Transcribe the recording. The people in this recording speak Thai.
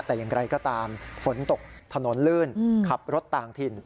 แต่อย่างไรก็ตามฝนตกถนนลื่นขับรถต่างถิ่น